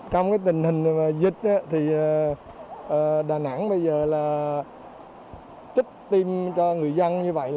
trong tình hình dịch đà nẵng bây giờ trích tiêm cho người dân như vậy